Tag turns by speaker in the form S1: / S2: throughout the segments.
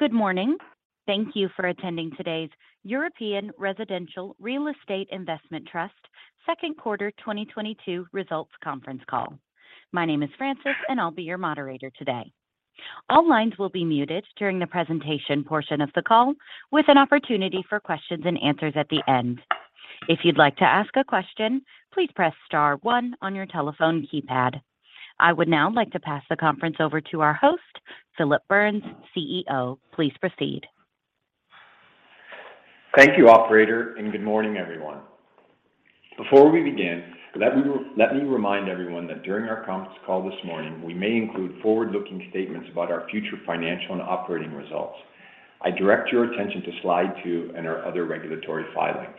S1: Good morning. Thank you for attending today's European Residential Real Estate Investment Trust second quarter 2022 results conference call. My name is Francis, and I'll be your moderator today. All lines will be muted during the presentation portion of the call, with an opportunity for questions and answers at the end. If you'd like to ask a question, please press star one on your telephone keypad. I would now like to pass the conference over to our host, Phillip Burns, CEO. Please proceed.
S2: Thank you, operator, and good morning, everyone. Before we begin, let me remind everyone that during our conference call this morning, we may include forward-looking statements about our future financial and operating results. I direct your attention to slide two and our other regulatory filings.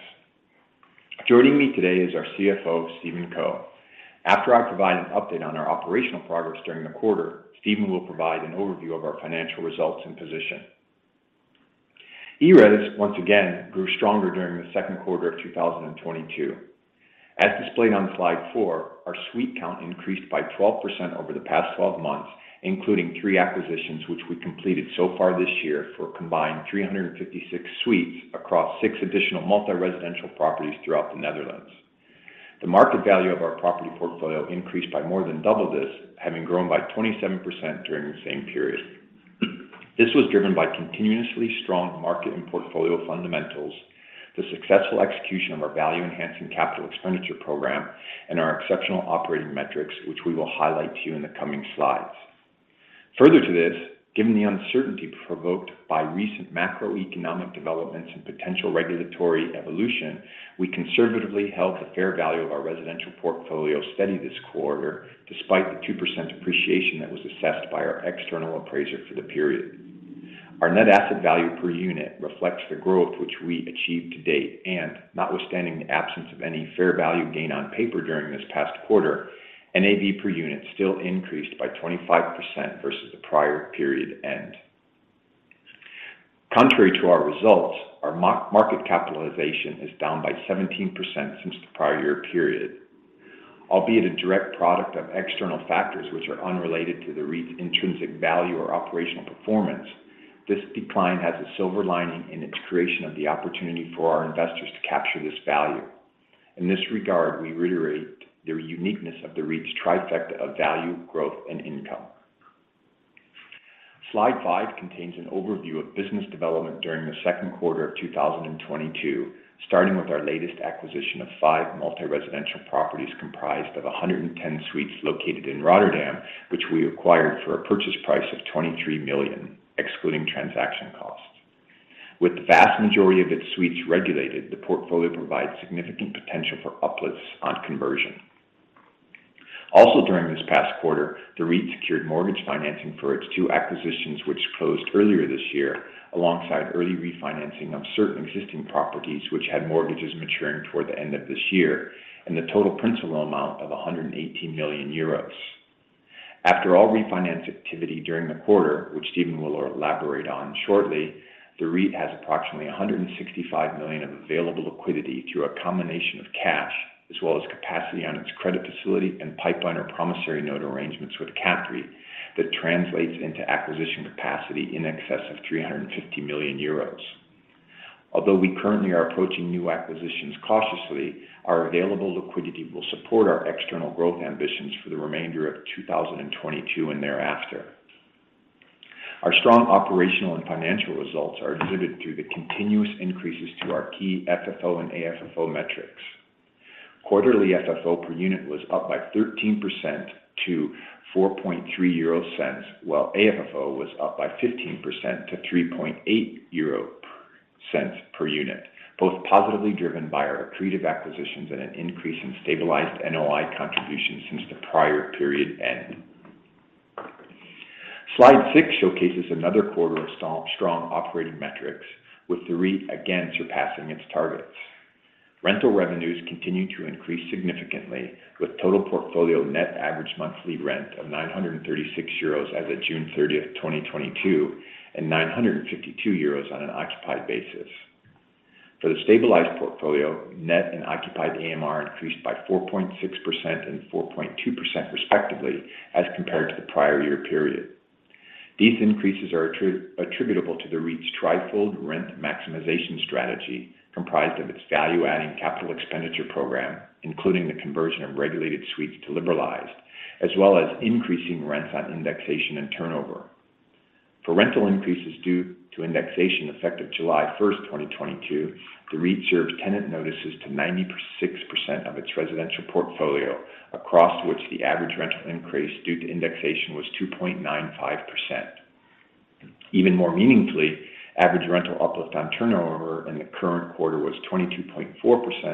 S2: Joining me today is our CFO, Stephen Co. After I provide an update on our operational progress during the quarter, Stephen will provide an overview of our financial results and position. ERES, once again, grew stronger during the second quarter of 2022. As displayed on slide three, our suite count increased by 12% over the past 12 months, including three acquisitions which we completed so far this year for a combined 356 suites across six additional multi-residential properties throughout the Netherlands. The market value of our property portfolio increased by more than double this, having grown by 27% during the same period. This was driven by continuously strong market and portfolio fundamentals, the successful execution of our value-enhancing capital expenditure program, and our exceptional operating metrics, which we will highlight to you in the coming slides. Further to this, given the uncertainty provoked by recent macroeconomic developments and potential regulatory evolution, we conservatively held the fair value of our residential portfolio steady this quarter despite the 2% appreciation that was assessed by our external appraiser for the period. Our net asset value per unit reflects the growth which we achieved to date. Notwithstanding the absence of any fair value gain on paper during this past quarter, NAV per unit still increased by 25% versus the prior period end. Contrary to our results, our market capitalization is down by 17% since the prior year period. Albeit a direct product of external factors which are unrelated to the REIT's intrinsic value or operational performance, this decline has a silver lining in its creation of the opportunity for our investors to capture this value. In this regard, we reiterate the uniqueness of the REIT's trifecta of value, growth, and income. Slide five contains an overview of business development during the second quarter of 2022, starting with our latest acquisition of five multi-residential properties comprised of 110 suites located in Rotterdam, which we acquired for a purchase price of 23 million, excluding transaction costs. With the vast majority of its suites regulated, the portfolio provides significant potential for uplifts on conversion. Also during this past quarter, the REIT secured mortgage financing for its two acquisitions, which closed earlier this year alongside early refinancing of certain existing properties which had mortgages maturing toward the end of this year in the total principal amount of 180 million euros. After all refinance activity during the quarter, which Stephen will elaborate on shortly, the REIT has approximately 165 million of available liquidity through a combination of cash as well as capacity on its credit facility and pipeline or promissory note arrangements with CAPREIT that translates into acquisition capacity in excess of 350 million euros. Although we currently are approaching new acquisitions cautiously, our available liquidity will support our external growth ambitions for the remainder of 2022 and thereafter. Our strong operational and financial results are exhibited through the continuous increases to our key FFO and AFFO metrics. Quarterly FFO per unit was up by 13% to 4.3 euro, while AFFO was up by 15% to 3.8 euro per unit, both positively driven by our accretive acquisitions and an increase in stabilized NOI contribution since the prior period end. Slide six showcases another quarter of so strong operating metrics, with the REIT again surpassing its targets. Rental revenues continued to increase significantly with total portfolio net average monthly rent of 936 euros as of June 30th, 2022, and 952 euros on an occupied basis. For the stabilized portfolio, net and occupied AMR increased by 4.6% and 4.2% respectively as compared to the prior year period. These increases are attributable to the REIT's threefold rent maximization strategy comprised of its value-adding capital expenditure program, including the conversion of regulated suites to liberalized, as well as increasing rents on indexation and turnover. For rental increases due to indexation effective July 1st, 2022, the REIT served tenant notices to 96% of its residential portfolio, across which the average rental increase due to indexation was 2.95%. Even more meaningfully, average rental uplift on turnover in the current quarter was 22.4%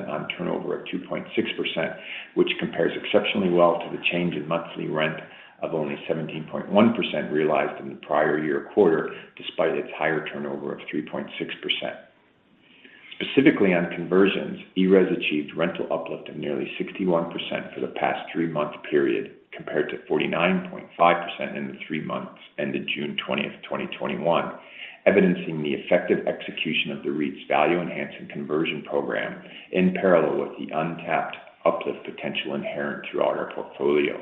S2: on turnover at 2.6%, which compares exceptionally well to the change in monthly rent of only 17.1% realized in the prior year quarter, despite its higher turnover of 3.6%. Specifically on conversions, ERES achieved rental uplift of nearly 61% for the past three-month period, compared to 49.5% in the three months ended June 20th, 2021, evidencing the effective execution of the REIT's value-enhancing conversion program in parallel with the uncapped uplift potential inherent throughout our portfolio.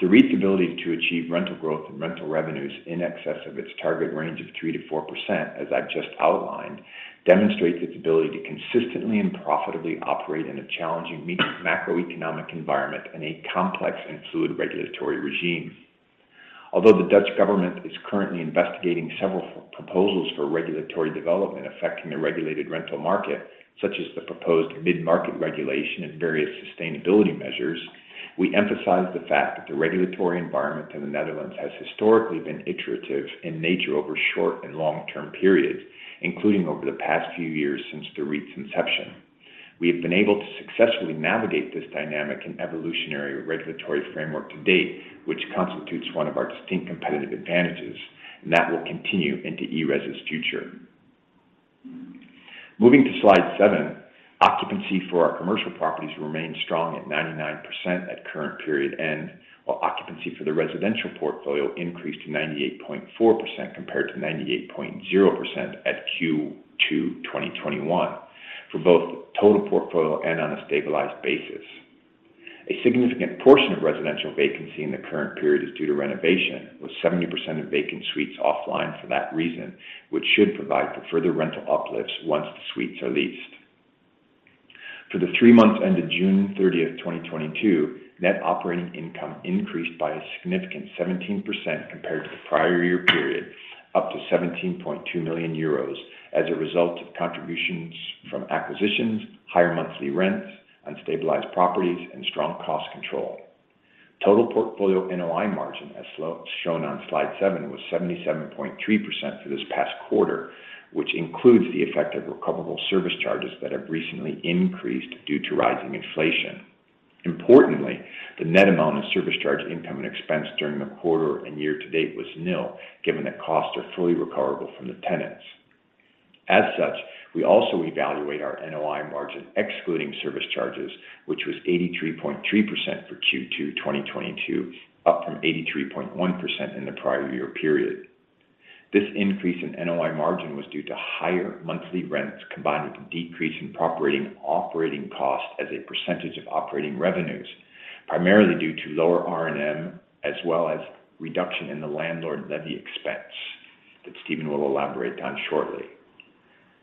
S2: The REIT's ability to achieve rental growth and rental revenues in excess of its target range of 3%-4%, as I've just outlined, demonstrates its ability to consistently and profitably operate in a challenging macroeconomic environment and a complex and fluid regulatory regime. Although the Dutch government is currently investigating several proposals for regulatory development affecting the regulated rental market, such as the proposed mid-market regulation and various sustainability measures, we emphasize the fact that the regulatory environment in the Netherlands has historically been iterative in nature over short and long-term periods, including over the past few years since the REIT's inception. We have been able to successfully navigate this dynamic and evolutionary regulatory framework to date, which constitutes one of our distinct competitive advantages, and that will continue into ERES's future. Moving to slide seven, occupancy for our commercial properties remained strong at 99% at current period end, while occupancy for the residential portfolio increased to 98.4% compared to 98.0% at Q2 2021 for both total portfolio and on a stabilized basis. A significant portion of residential vacancy in the current period is due to renovation, with 70% of vacant suites offline for that reason, which should provide for further rental uplifts once the suites are leased. For the three months ended June 30th, 2022, net operating income increased by a significant 17% compared to the prior year period, up to 17.2 million euros as a result of contributions from acquisitions, higher monthly rents on stabilized properties, and strong cost control. Total portfolio NOI margin, as shown on slide seven, was 77.3% for this past quarter, which includes the effect of recoverable service charges that have recently increased due to rising inflation. Importantly, the net amount of service charge income and expense during the quarter and year-to-date was nil, given that costs are fully recoverable from the tenants. As such, we also evaluate our NOI margin excluding service charges, which was 83.3% for Q2 2022, up from 83.1% in the prior year period. This increase in NOI margin was due to higher monthly rents combined with a decrease in operating costs as a percentage of operating revenues, primarily due to lower R&M, as well as reduction in the Landlord Levy expense that Steven will elaborate on shortly.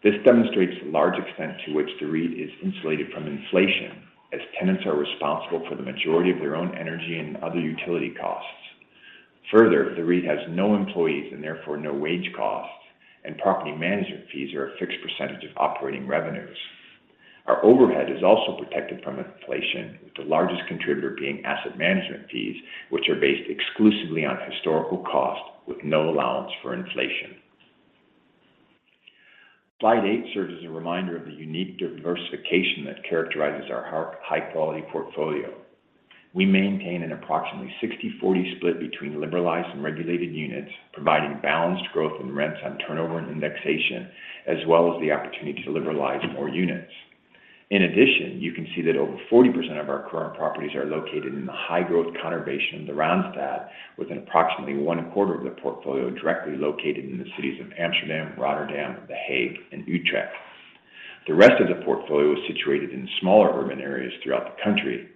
S2: This demonstrates the large extent to which the REIT is insulated from inflation, as tenants are responsible for the majority of their own energy and other utility costs. Further, the REIT has no employees and therefore no wage costs, and property management fees are a fixed percentage of operating revenues. Our overhead is also protected from inflation, with the largest contributor being asset management fees, which are based exclusively on historical cost with no allowance for inflation. Slide eight serves as a reminder of the unique diversification that characterizes our high-quality portfolio. We maintain an approximately 60/40 split between liberalized and regulated units, providing balanced growth in rents on turnover and indexation, as well as the opportunity to liberalize more units. In addition, you can see that over 40% of our current properties are located in the high-growth conurbation of the Randstad, with approximately one quarter of the portfolio directly located in the cities of Amsterdam, Rotterdam, The Hague, and Utrecht. The rest of the portfolio is situated in smaller urban areas throughout the country.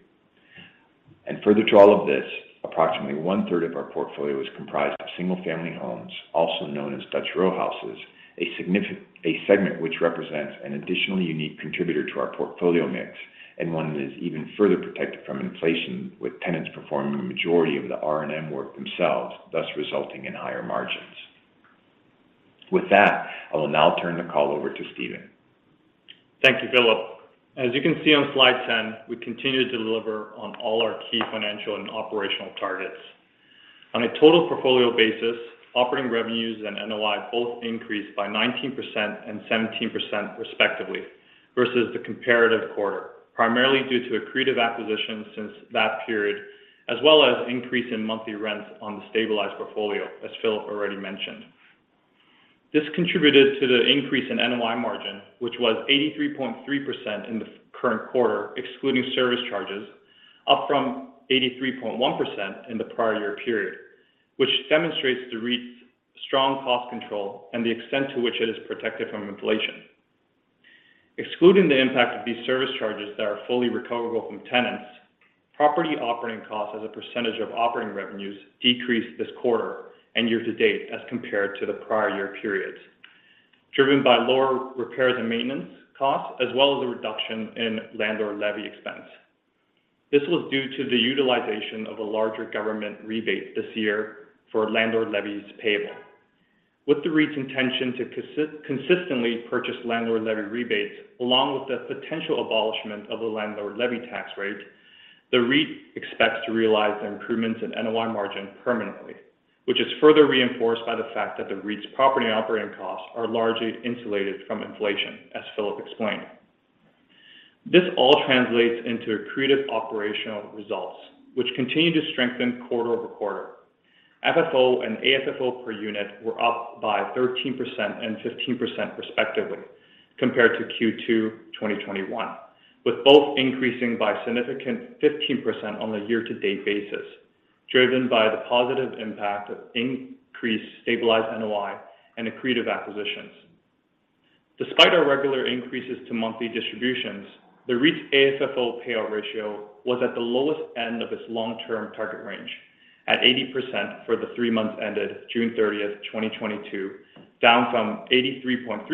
S2: Further to all of this, approximately one-third of our portfolio is comprised of single-family homes, also known as Dutch row houses, a segment which represents an additionally unique contributor to our portfolio mix and one that is even further protected from inflation, with tenants performing the majority of the R&M work themselves, thus resulting in higher margins. With that, I will now turn the call over to Stephen.
S3: Thank you, Phillip. As you can see on slide 10, we continue to deliver on all our key financial and operational targets. On a total portfolio basis, operating revenues and NOI both increased by 19% and 17% respectively versus the comparative quarter, primarily due to accretive acquisitions since that period, as well as increase in monthly rents on the stabilized portfolio, as Phillip already mentioned. This contributed to the increase in NOI margin, which was 83.3% in the current quarter, excluding service charges, up from 83.1% in the prior year period, which demonstrates the REIT's strong cost control and the extent to which it is protected from inflation. Excluding the impact of these service charges that are fully recoverable from tenants, property operating costs as a percentage of operating revenues decreased this quarter and year-to-date as compared to the prior year periods, driven by lower repairs and maintenance costs, as well as a reduction in Landlord Levy expense. This was due to the utilization of a larger government rebate this year for Landlord Levies payable. With the REIT's intention to consistently purchase Landlord Levy rebates, along with the potential abolishment of the Landlord Levy tax rate, the REIT expects to realize improvements in NOI margin permanently, which is further reinforced by the fact that the REIT's property operating costs are largely insulated from inflation, as Phillip explained. This all translates into accretive operational results, which continue to strengthen quarter-over-quarter. FFO and AFFO per unit were up by 13% and 15% respectively compared to Q2 2021, with both increasing by significant 15% on a year-to-date basis, driven by the positive impact of increased stabilized NOI and accretive acquisitions. Despite our regular increases to monthly distributions, the REIT's AFFO payout ratio was at the lowest end of its long-term target range at 80% for the three months ended June 30th, 2022, down from 83.3%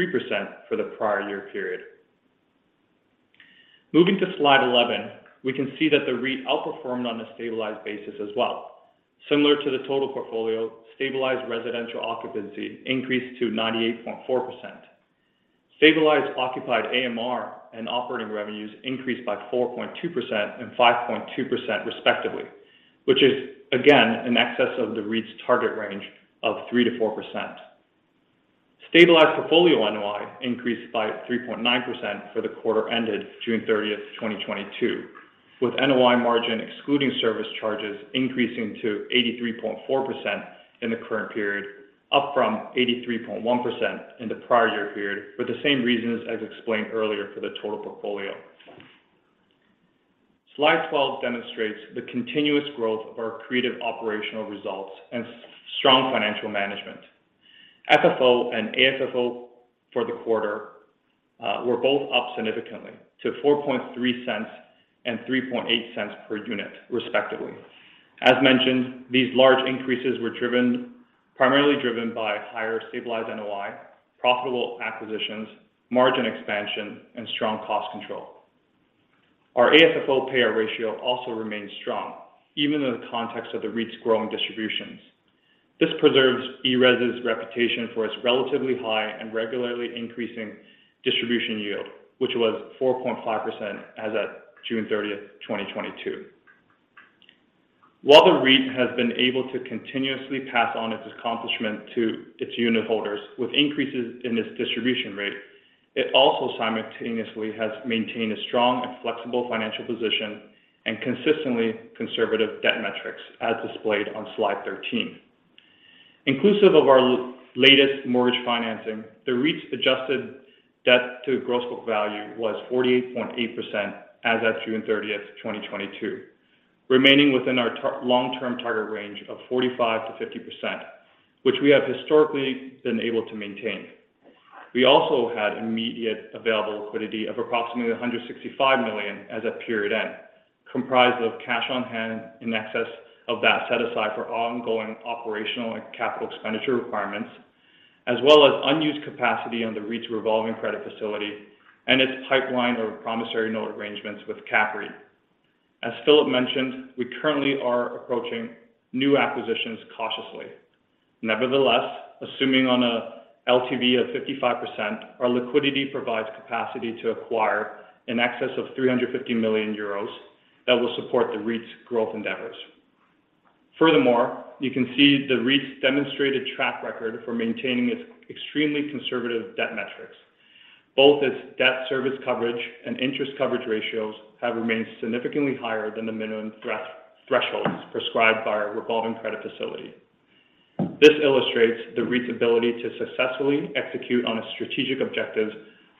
S3: for the prior year period. Moving to slide 11, we can see that the REIT outperformed on a stabilized basis as well. Similar to the total portfolio, stabilized residential occupancy increased to 98.4%. Stabilized occupied AMR and operating revenues increased by 4.2% and 5.2% respectively, which is again in excess of the REIT's target range of 3%-4%. Stabilized portfolio NOI increased by 3.9% for the quarter ended June 30th, 2022, with NOI margin excluding service charges increasing to 83.4% in the current period, up from 83.1% in the prior year period for the same reasons as explained earlier for the total portfolio. Slide 12 demonstrates the continuous growth of our accretive operational results and strong financial management. FFO and AFFO for the quarter were both up significantly to 4.3 And 3.8 per unit respectively. As mentioned, these large increases were primarily driven by higher stabilized NOI, profitable acquisitions, margin expansion, and strong cost control. Our AFFO payout ratio also remains strong even in the context of the REIT's growing distributions. This preserves ERES' reputation for its relatively high and regularly increasing distribution yield, which was 4.5% as at June 30th, 2022. While the REIT has been able to continuously pass on its accomplishment to its unit holders with increases in its distribution rate, it also simultaneously has maintained a strong and flexible financial position and consistently conservative debt metrics as displayed on slide 13. Inclusive of our latest mortgage financing, the REIT's adjusted debt to gross book value was 48.8% as at June 30th, 2022, remaining within our long-term target range of 45%-50%, which we have historically been able to maintain. We also had immediate available liquidity of approximately 165 million as at period end, comprised of cash on hand in excess of that set aside for ongoing operational and capital expenditure requirements, as well as unused capacity on the REIT's revolving credit facility and its pipeline of promissory note arrangements with CAPREIT. As Phillip mentioned, we currently are approaching new acquisitions cautiously. Nevertheless, assuming an LTV of 55%, our liquidity provides capacity to acquire in excess of 350 million euros that will support the REIT's growth endeavors. Furthermore, you can see the REIT's demonstrated track record for maintaining its extremely conservative debt metrics. Both its debt service coverage and interest coverage ratios have remained significantly higher than the minimum three thresholds prescribed by our revolving credit facility. This illustrates the REIT's ability to successfully execute on its strategic objectives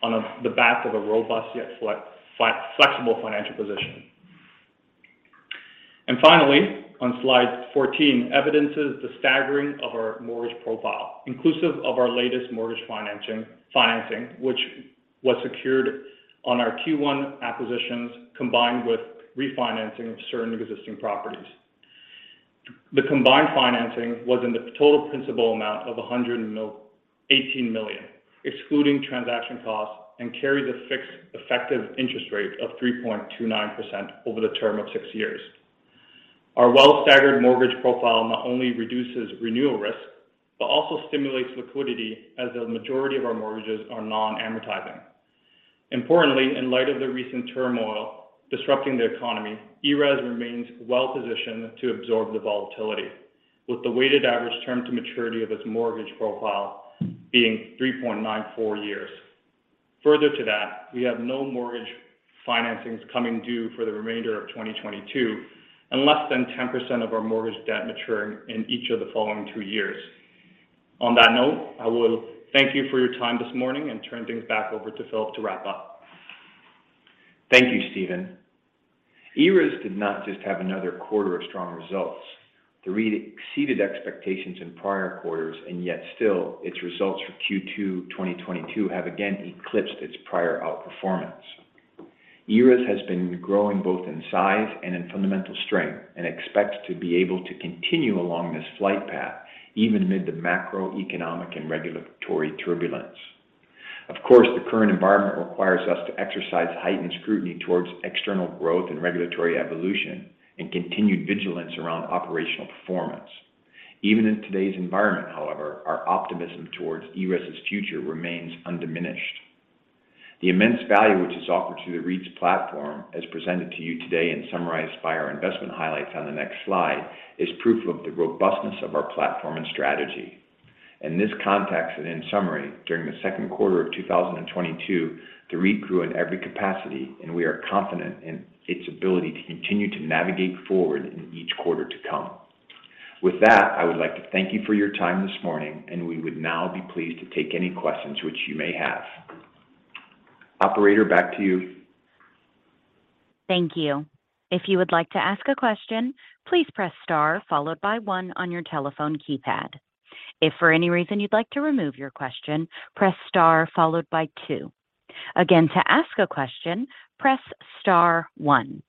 S3: on the back of a robust yet flexible financial position. And finally, on slide 14 evidences the staggering of our mortgage profile inclusive of our latest mortgage financing, which was secured on our Q1 acquisitions, combined with refinancing of certain existing properties. The combined financing was in the total principal amount of 118 million, excluding transaction costs, and carries a fixed effective interest rate of 3.29% over the term of six years. Our well-staggered mortgage profile not only reduces renewal risk, but also stimulates liquidity as the majority of our mortgages are non-amortizing. Importantly, in light of the recent turmoil disrupting the economy, ERES remains well positioned to absorb the volatility with the weighted average term to maturity of its mortgage profile being 3.94 years. Further to that, we have no mortgage financings coming due for the remainder of 2022 and less than 10% of our mortgage debt maturing in each of the following two years. On that note, I will thank you for your time this morning and turn things back over to Phillip to wrap up.
S2: Thank you, Stephen. ERES did not just have another quarter of strong results. The REIT exceeded expectations in prior quarters, and yet still its results for Q2 2022 have again eclipsed its prior outperformance. ERES has been growing both in size and in fundamental strength, and expects to be able to continue along this flight path even amid the macroeconomic and regulatory turbulence. Of course, the current environment requires us to exercise heightened scrutiny towards external growth and regulatory evolution and continued vigilance around operational performance. Even in today's environment, however, our optimism towards ERES' future remains undiminished. The immense value which is offered through the REIT's platform, as presented to you today and summarized by our investment highlights on the next slide, is proof of the robustness of our platform and strategy. In this context and in summary, during the second quarter of 2022, the REIT grew in every capacity, and we are confident in its ability to continue to navigate forward in each quarter to come. With that, I would like to thank you for your time this morning, and we would now be pleased to take any questions which you may have. Operator, back to you.
S1: Thank you. If you would like to ask a question, please press star followed by one on your telephone keypad. If for any reason you'd like to remove your question, press star followed by two. Again, to ask a question, press star one.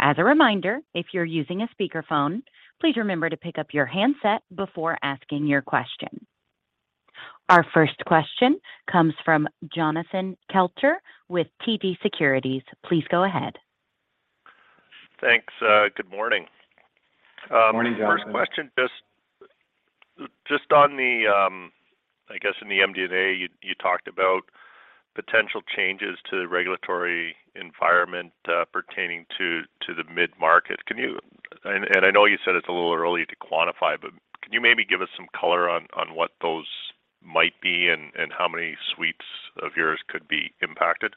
S1: As a reminder, if you're using a speakerphone, please remember to pick up your handset before asking your question. Our first question comes from Jonathan Kelcher with TD Securities. Please go ahead.
S4: Thanks. Good morning.
S2: Morning, Jonathan.
S4: First question, just on the MD&A, I guess, you talked about potential changes to the regulatory environment pertaining to the mid-market. I know you said it's a little early to quantify, but can you maybe give us some color on what those might be and how many suites of yours could be impacted?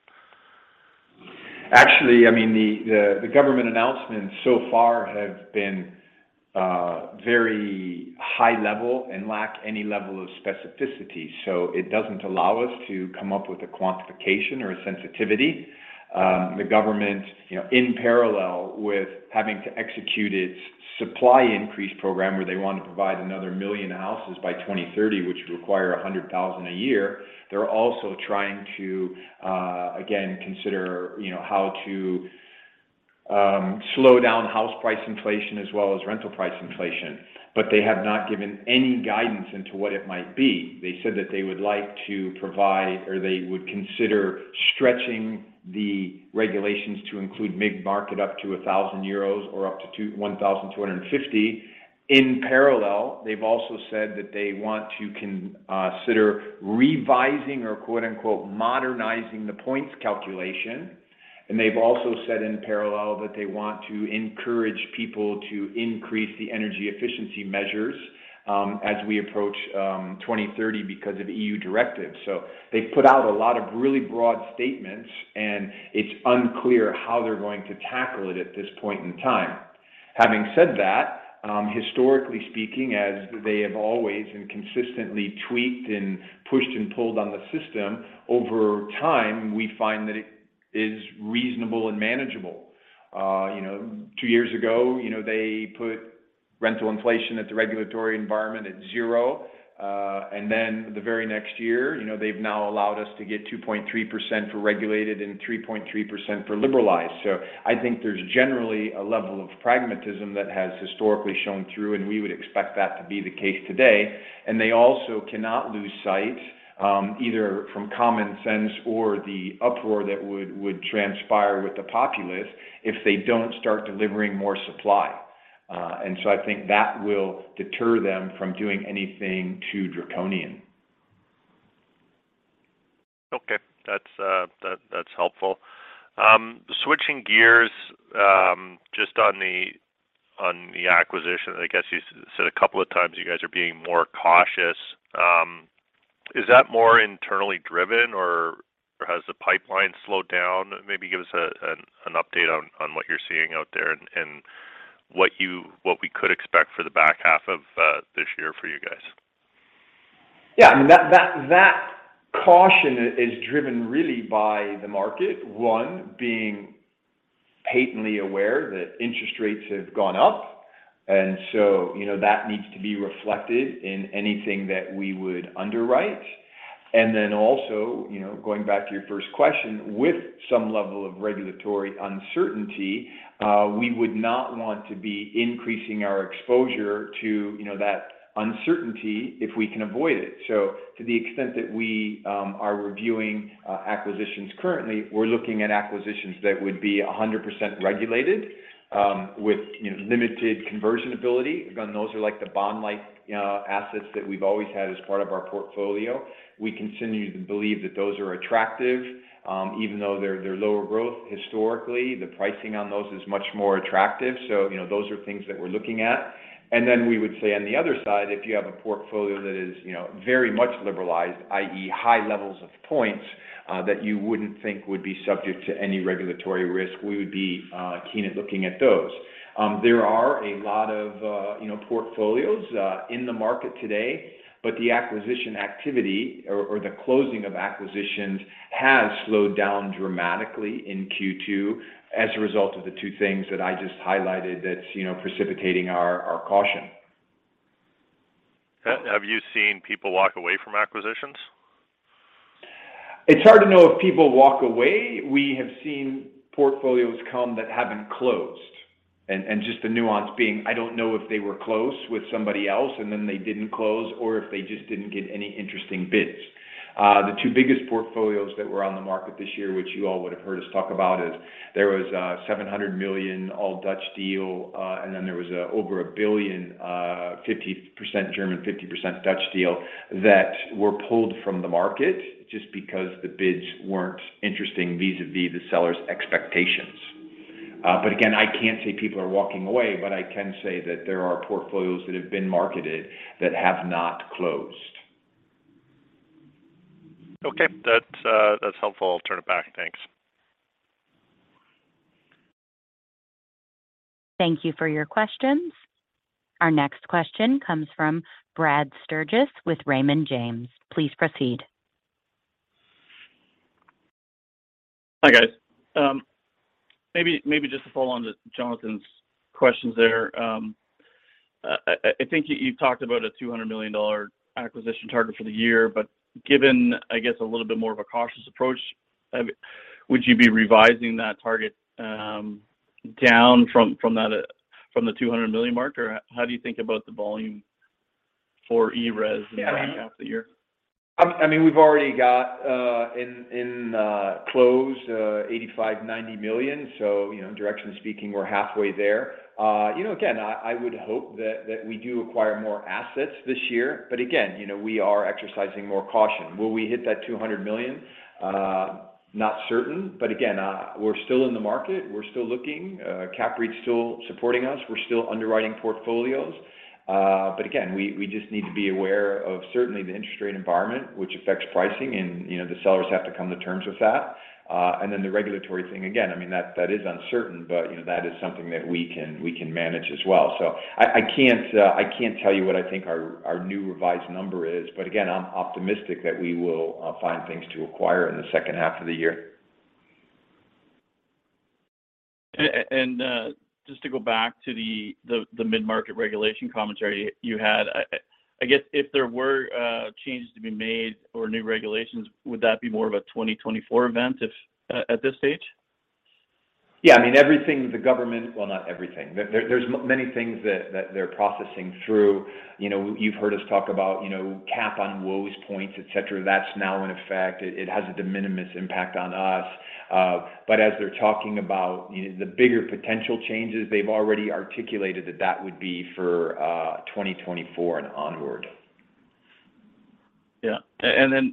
S2: Actually, I mean, the government announcements so far have been very high level and lack any level of specificity, so it doesn't allow us to come up with a quantification or a sensitivity. The government, you know, in parallel with having to execute its supply increase program where they want to provide another million houses by 2030, which require 100,000 a year, they're also trying to again consider, you know, how to slow down house price inflation as well as rental price inflation. They have not given any guidance into what it might be. They said that they would like to provide or they would consider stretching the regulations to include mid-market up to 1,000 euros or up to 1,250. In parallel, they've also said that they want to consider revising or, quote-unquote, "modernizing" the points calculation. They've also said in parallel that they want to encourage people to increase the energy efficiency measures, as we approach 2030 because of EU directives. They've put out a lot of really broad statements, and it's unclear how they're going to tackle it at this point in time. Having said that, historically speaking, as they have always and consistently tweaked and pushed and pulled on the system over time, we find that it is reasonable and manageable. You know, two years ago, you know, they put rental inflation in the regulatory environment at zero. Then the very next year, you know, they've now allowed us to get 2.3% for regulated and 3.3% for liberalized. I think there's generally a level of pragmatism that has historically shown through, and we would expect that to be the case today. They also cannot lose sight, either from common sense or the uproar that would transpire with the populace if they don't start delivering more supply. I think that will deter them from doing anything too draconian.
S4: Okay. That's helpful. Switching gears, just on the acquisition, I guess you said a couple of times you guys are being more cautious. Is that more internally driven or has the pipeline slowed down? Maybe give us an update on what you're seeing out there and what we could expect for the back half of this year for you guys.
S2: Yeah. I mean, that caution is driven really by the market. One, being patently aware that interest rates have gone up, and so, you know, that needs to be reflected in anything that we would underwrite. Then also, you know, going back to your first question, with some level of regulatory uncertainty, we would not want to be increasing our exposure to, you know, that uncertainty if we can avoid it. To the extent that we are reviewing acquisitions currently, we're looking at acquisitions that would be 100% regulated, with, you know, limited conversion ability. Again, those are like the bond-like assets that we've always had as part of our portfolio. We continue to believe that those are attractive. Even though they're lower growth historically, the pricing on those is much more attractive. You know, those are things that we're looking at. Then we would say on the other side, if you have a portfolio that is, you know, very much liberalized, i.e., high levels of points, that you wouldn't think would be subject to any regulatory risk, we would be keen on looking at those. There are a lot of, you know, portfolios in the market today, but the acquisition activity or the closing of acquisitions has slowed down dramatically in Q2 as a result of the two things that I just highlighted that's precipitating our caution.
S4: Have you seen people walk away from acquisitions?
S2: It's hard to know if people walk away. We have seen portfolios come that haven't closed, and just the nuance being, I don't know if they were close with somebody else, and then they didn't close or if they just didn't get any interesting bids. The two biggest portfolios that were on the market this year, which you all would have heard us talk about, is there was a 700 million all Dutch deal, and then there was over a 1 billion, 50% German, 50% Dutch deal that were pulled from the market just because the bids weren't interesting vis-à-vis the seller's expectations. But again, I can't say people are walking away, but I can say that there are portfolios that have been marketed that have not closed.
S4: Okay. That's helpful. I'll turn it back. Thanks.
S1: Thank you for your questions. Our next question comes from Brad Sturges with Raymond James. Please proceed.
S5: Hi, guys. Maybe just to follow on to Jonathan's questions there. I think you talked about a EUR 200 million acquisition target for the year, but given, I guess, a little bit more of a cautious approach, would you be revising that target down from that, from the 200 million mark? Or how do you think about the volume for ERES in the second half of the year?
S2: Yeah. I mean, we've already got in close 85-90 million. So, you know, directionally speaking, we're halfway there. You know, again, I would hope that we do acquire more assets this year. But again, you know, we are exercising more caution. Will we hit that 200 million? Not certain. But again, we're still in the market. We're still looking. CAPREIT's still supporting us. We're still underwriting portfolios. But again, we just need to be aware of certainly the interest rate environment, which affects pricing, and, you know, the sellers have to come to terms with that. And then the regulatory thing, again, I mean, that is uncertain, but, you know, that is something that we can manage as well. I can't tell you what I think our new revised number is, but again, I'm optimistic that we will find things to acquire in the second half of the year.
S5: Just to go back to the mid-market regulation commentary you had. I guess if there were changes to be made or new regulations, would that be more of a 2024 event if at this stage?
S2: Yeah. I mean, everything the government. Well, not everything. There's many things that they're processing through. You know, you've heard us talk about, you know, cap on WOZ points, et cetera. That's now in effect. It has a de minimis impact on us. But as they're talking about, you know, the bigger potential changes, they've already articulated that would be for 2024 and onward.
S5: Yeah. You know,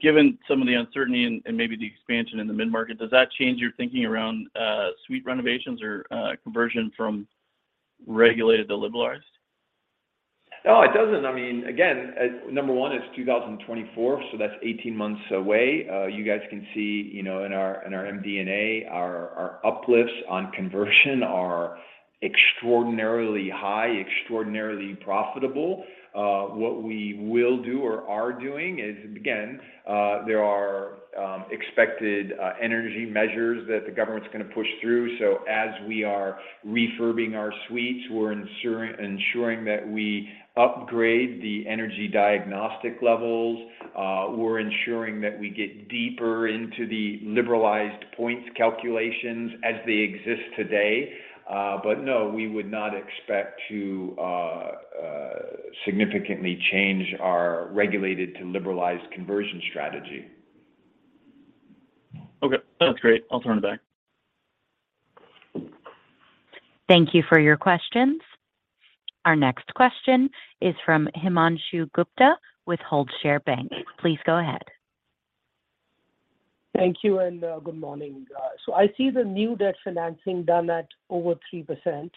S5: given some of the uncertainty and maybe the expansion in the mid-market, does that change your thinking around suite renovations or conversion from regulated to liberalized?
S2: No, it doesn't. I mean, again, number one, it's 2024, so that's 18 months away. You guys can see, you know, in our MD&A, our uplifts on conversion are extraordinarily high, extraordinarily profitable. What we will do or are doing is, again, there are expected energy measures that the government's gonna push through. So as we are refurbing our suites, we're ensuring that we upgrade the energy diagnostic levels. We're ensuring that we get deeper into the liberalized points calculations as they exist today. But no, we would not expect to significantly change our regulated to liberalized conversion strategy.
S5: Okay. That's great. I'll turn it back.
S1: Thank you for your questions. Our next question is from Himanshu Gupta with HoldShare Bank. Please go ahead.
S6: Thank you, good morning. I see the new debt financing done at over 3%.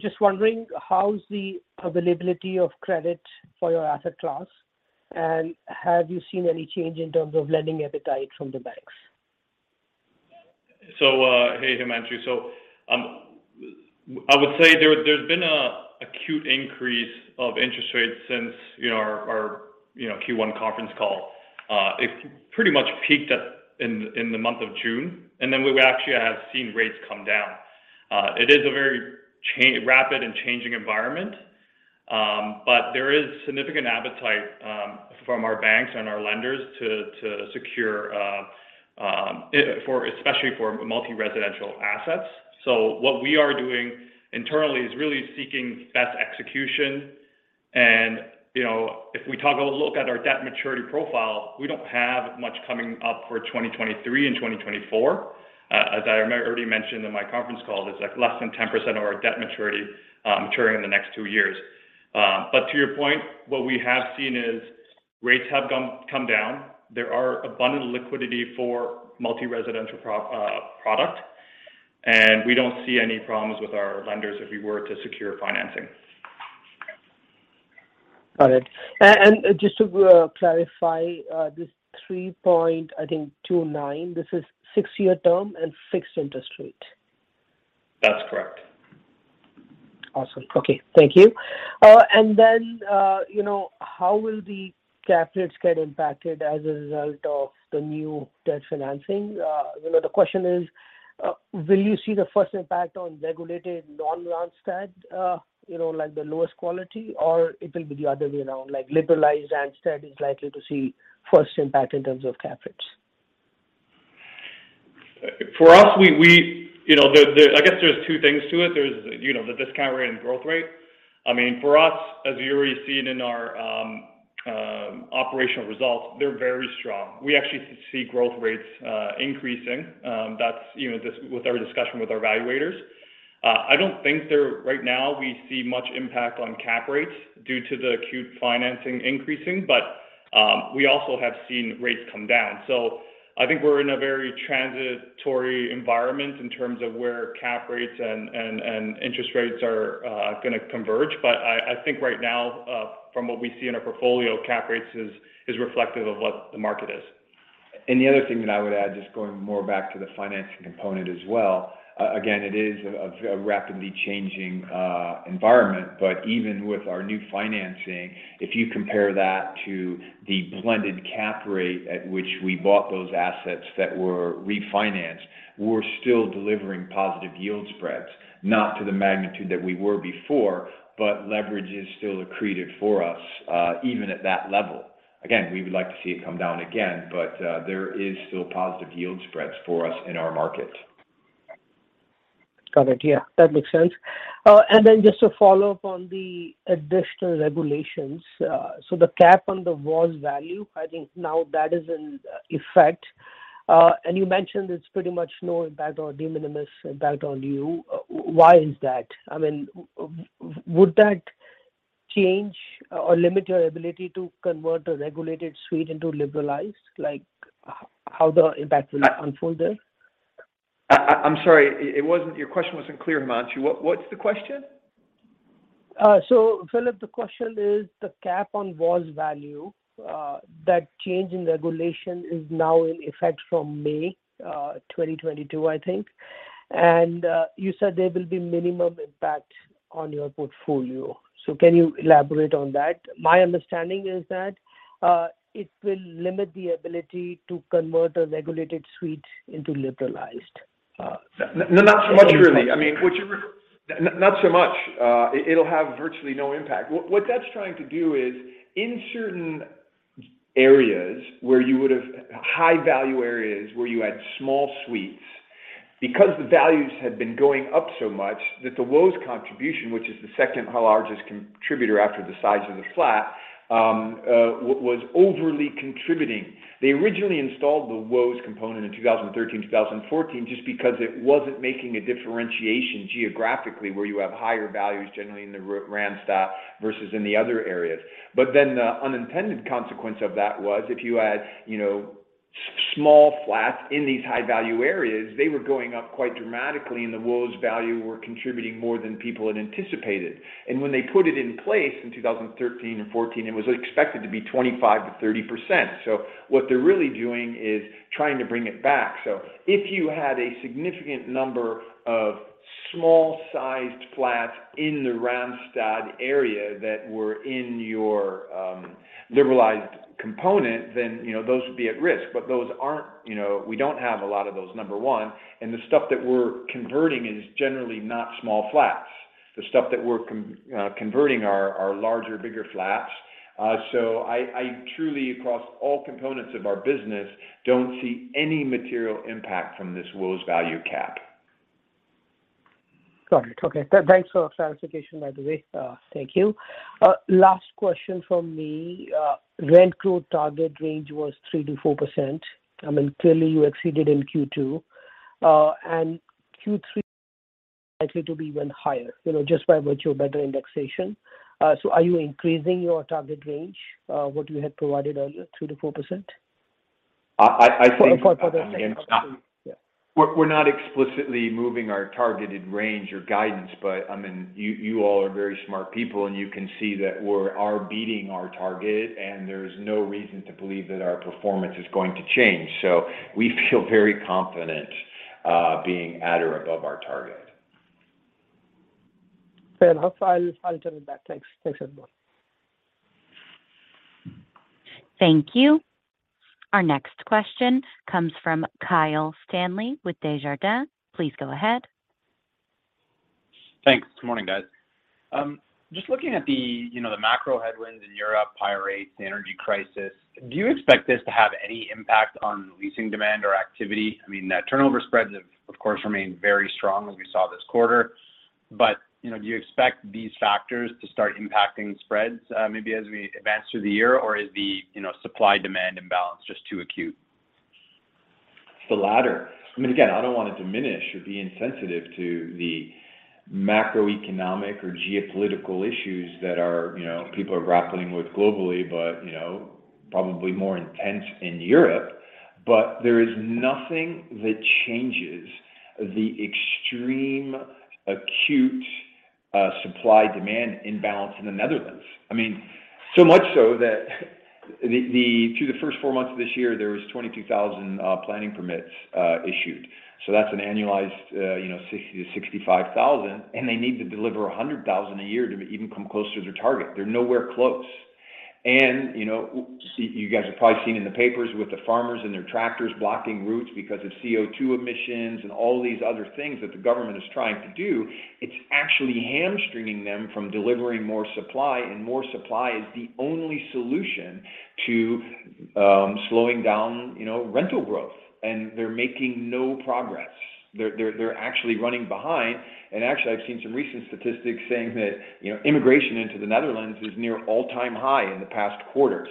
S6: Just wondering how's the availability of credit for your asset class, and have you seen any change in terms of lending appetite from the banks?
S3: Hey, Himanshu. I would say there's been an acute increase of interest rates since, you know, our Q1 conference call. It pretty much peaked in the month of June, and then we actually have seen rates come down. It is a very rapid and changing environment, but there is significant appetite from our banks and our lenders to secure for, especially for multi-residential assets. What we are doing internally is really seeking best execution and, you know, if we take a look at our debt maturity profile, we don't have much coming up for 2023 and 2024. As I already mentioned in my conference call, it's like less than 10% of our debt maturity maturing in the next two years. To your point, what we have seen is rates have come down. There is abundant liquidity for multi-residential product, and we don't see any problems with our lenders if we were to secure financing.
S6: Got it. Just to clarify, this 3.29%, I think, this is six-year term and fixed interest rate?
S2: That's correct.
S6: Awesome. Okay. Thank you. You know, how will the cap rates get impacted as a result of the new debt financing? You know, the question is, will you see the first impact on regulated non-Rent Stabilized, you know, like the lowest quality, or it will be the other way around, like liberalized Rent Stabilized is likely to see first impact in terms of cap rates?
S3: For us, we. You know, there. I guess there's two things to it. There's, you know, the discount rate and growth rate. I mean, for us, as you already seen in our operational results, they're very strong. We actually see growth rates increasing. That's, you know, with our discussion with our valuators. I don't think there right now we see much impact on cap rates due to the equity financing increasing, but we also have seen rates come down. I think we're in a very transitory environment in terms of where cap rates and interest rates are gonna converge. I think right now, from what we see in our portfolio, cap rates is reflective of what the market is.
S2: The other thing that I would add, just going more back to the financing component as well, again, it is a rapidly changing environment. Even with our new financing, if you compare that to the blended cap rate at which we bought those assets that were refinanced, we're still delivering positive yield spreads. Not to the magnitude that we were before, but leverage is still accretive for us, even at that level. Again, we would like to see it come down again, but there is still positive yield spreads for us in our market.
S6: Got it. Yeah, that makes sense. Just to follow up on the additional regulations. The cap on the WOZ value, I think now that is in effect. You mentioned it's pretty much no impact or de minimis impact on you. Why is that? I mean, would that change or limit your ability to convert a regulated suite into liberalized? Like, how the impact will unfold there?
S2: I'm sorry, your question wasn't clear, Himanshu. What's the question?
S6: Philip, the question is the cap on WOZ value, that change in regulation is now in effect from May 2022, I think. You said there will be minimum impact on your portfolio. Can you elaborate on that? My understanding is that it will limit the ability to convert a regulated suite into liberalized.
S2: Not so much really. I mean, not so much. It'll have virtually no impact. What that's trying to do is in certain areas where you would have high value areas where you had small suites, because the values had been going up so much that the WOZ contribution, which is the second largest contributor after the size of the flat, was overly contributing. They originally installed the WOZ component in 2013, 2014, just because it wasn't making a differentiation geographically where you have higher values generally in the Randstad versus in the other areas. The unintended consequence of that was if you had, you know, small flats in these high value areas, they were going up quite dramatically, and the WOZ value were contributing more than people had anticipated. When they put it in place in 2013 and 2014, it was expected to be 25%-30%. What they're really doing is trying to bring it back. If you had a significant number of small sized flats in the Randstad area that were in your liberalized component, then you know, those would be at risk. But those aren't. You know, we don't have a lot of those, number one, and the stuff that we're converting is generally not small flats. The stuff that we're converting are larger, bigger flats. I truly, across all components of our business, don't see any material impact from this WOZ value cap.
S6: Got it. Okay. Thanks for clarification, by the way. Thank you. Last question from me. Rent growth target range was 3%-4%. I mean, clearly you exceeded in Q2. Q3 likely to be even higher, you know, just by virtue of better indexation. Are you increasing your target range, what you had provided earlier, 2%-4%?
S2: I think.
S6: Four for the second. Yeah.
S2: We're not explicitly moving our targeted range or guidance, but I mean, you all are very smart people, and you can see that we're beating our target, and there's no reason to believe that our performance is going to change. We feel very confident being at or above our target.
S6: Fair enough. I'll turn it back. Thanks. Thanks everyone.
S1: Thank you. Our next question comes from Kyle Stanley with Desjardins. Please go ahead.
S7: Thanks. Good morning, guys. Just looking at the, you know, the macro headwinds in Europe, higher rates, the energy crisis, do you expect this to have any impact on leasing demand or activity? I mean, the turnover spreads have, of course, remained very strong as we saw this quarter, but, you know, do you expect these factors to start impacting spreads, maybe as we advance through the year? Or is the, you know, supply demand imbalance just too acute?
S2: It's the latter. I mean, again, I don't want to diminish or be insensitive to the macroeconomic or geopolitical issues that are, you know, people are grappling with globally, but, you know, probably more intense in Europe. There is nothing that changes the extreme acute supply demand imbalance in the Netherlands. I mean, so much so that through the first four months of this year, there was 22,000 planning permits issued. That's an annualized 60,000-65,000. They need to deliver 100,000 a year to even come close to their target. They're nowhere close. You know, you guys have probably seen in the papers with the farmers and their tractors blocking routes because of CO2 emissions and all of these other things that the government is trying to do. It's actually hamstringing them from delivering more supply. More supply is the only solution to slowing down, you know, rental growth. They're making no progress. They're actually running behind. Actually, I've seen some recent statistics saying that, you know, immigration into the Netherlands is near all-time high in the past quarter.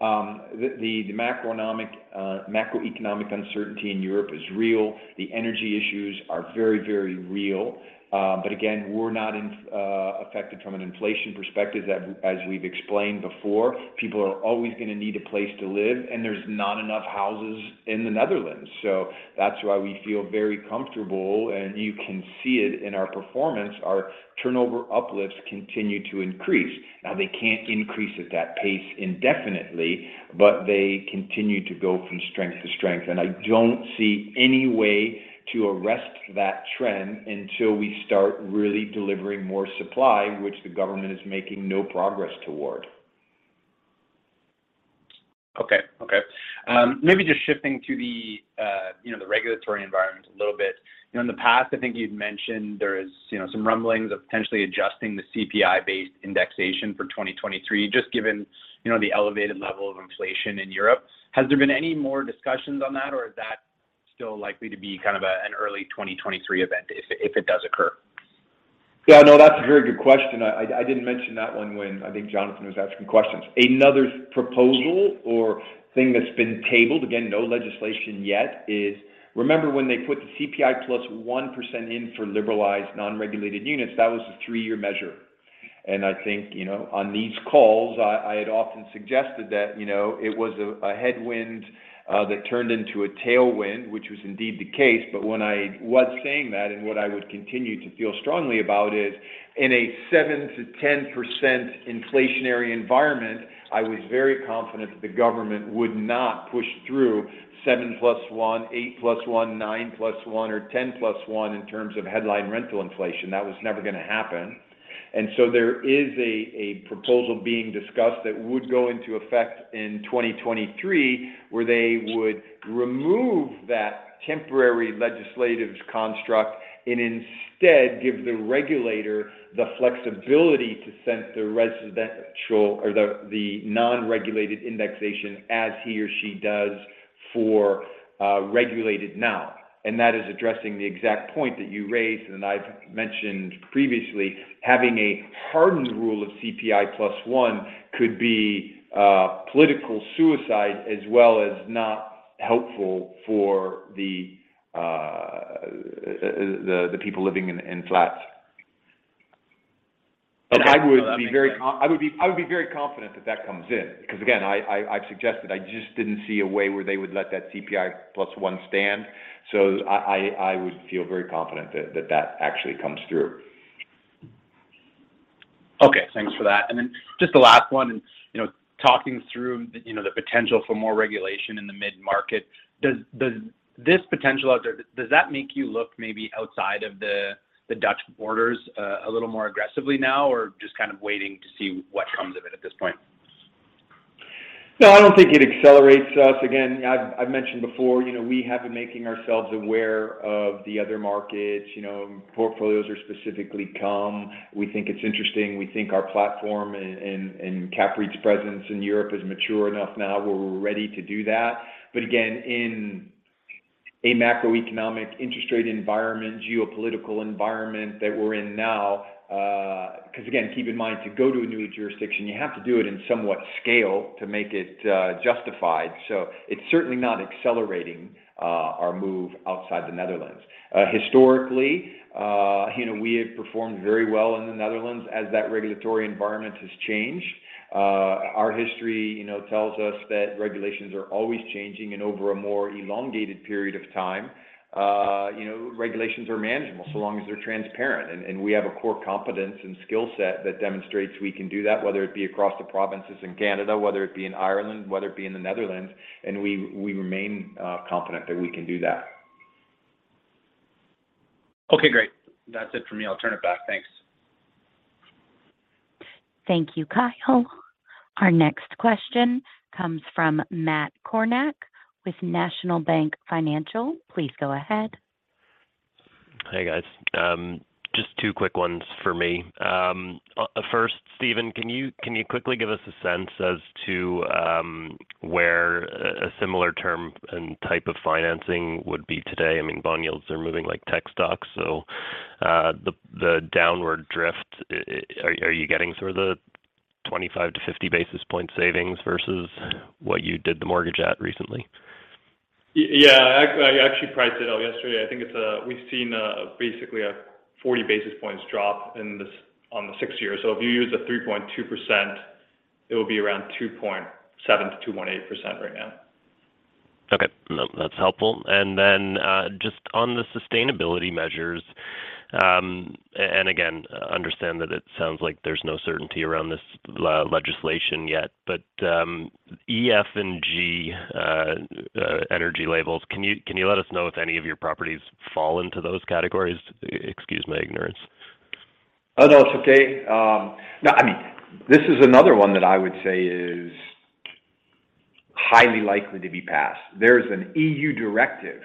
S2: The macroeconomic uncertainty in Europe is real. The energy issues are very, very real. But again, we're not affected from an inflation perspective that, as we've explained before, people are always gonna need a place to live, and there's not enough houses in the Netherlands. That's why we feel very comfortable, and you can see it in our performance. Our turnover uplifts continue to increase. Now, they can't increase at that pace indefinitely, but they continue to go from strength to strength. I don't see any way to arrest that trend until we start really delivering more supply, which the government is making no progress toward.
S7: Okay. Okay. Maybe just shifting to the, you know, the regulatory environment a little bit. You know, in the past, I think you'd mentioned there is, you know, some rumblings of potentially adjusting the CPI-based indexation for 2023, just given, you know, the elevated level of inflation in Europe. Has there been any more discussions on that, or is that still likely to be kind of an early 2023 event if it does occur?
S2: Yeah, no, that's a very good question. I didn't mention that one when I think Jonathan was asking questions. Another proposal or thing that's been tabled, again, no legislation yet, is remember when they put the CPI +1% in for liberalized non-regulated units, that was a three-year measure. I think, you know, on these calls, I had often suggested that, you know, it was a headwind that turned into a tailwind, which was indeed the case. When I was saying that, and what I would continue to feel strongly about is in a 7%-10% inflationary environment, I was very confident that the government would not push through 7+1, 8+1, 9+1, or 10+1 in terms of headline rental inflation. That was never gonna happen. There is a proposal being discussed that would go into effect in 2023, where they would remove that temporary legislative construct and instead give the regulator the flexibility to set the residential or the non-regulated indexation as he or she does for regulated now. That is addressing the exact point that you raised. I've mentioned previously, having a hardened rule of CPI +1 could be political suicide as well as not helpful for the people living in flats. I would be very confident that that comes in because, again, I've suggested I just didn't see a way where they would let that CPI +1 stand. I would feel very confident that actually comes through.
S7: Okay. Thanks for that. Just the last one and, you know, talking through, you know, the potential for more regulation in the mid-market. Does that make you look maybe outside of the Dutch borders a little more aggressively now, or just kind of waiting to see what comes of it at this point?
S2: No, I don't think it accelerates us. Again, I've mentioned before, you know, we have been making ourselves aware of the other markets. We think it's interesting. We think our platform and CAPREIT's presence in Europe is mature enough now where we're ready to do that. Again, in a macroeconomic interest rate environment, geopolitical environment that we're in now, because again, keep in mind, to go to a new jurisdiction, you have to do it in some scale to make it justified. It's certainly not accelerating our move outside the Netherlands. Historically, you know, we have performed very well in the Netherlands as that regulatory environment has changed. Our history, you know, tells us that regulations are always changing, and over a more elongated period of time, you know, regulations are manageable so long as they're transparent. We have a core competence and skill set that demonstrates we can do that, whether it be across the provinces in Canada, whether it be in Ireland, whether it be in the Netherlands, and we remain confident that we can do that.
S7: Okay, great. That's it for me. I'll turn it back. Thanks.
S1: Thank you, Kyle. Our next question comes from Matt Kornack with National Bank Financial. Please go ahead.
S8: Hey, guys. Just two quick ones for me. First, Stephen, can you quickly give us a sense as to where a similar term and type of financing would be today? I mean, bond yields are moving like tech stocks, so the downward drift, are you getting sort of the 25-50 basis point savings versus what you did the mortgage at recently?
S3: Yeah. I actually priced it out yesterday. I think it's, we've seen basically a 40 basis points drop in this on the six years. If you use a 3.2%, it will be around 2.7%-2.8% right now.
S8: Perfect. No, that's helpful. Just on the sustainability measures, and again, understand that it sounds like there's no certainty around this legislation yet, but E, F, and G energy labels, can you let us know if any of your properties fall into those categories? Excuse my ignorance.
S2: Oh, no, it's okay. No, I mean, this is another one that I would say is highly likely to be passed. There's an EU directive